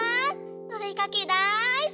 おでかけだいすき！